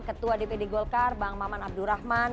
ketua dpd golkar bang maman abdurrahman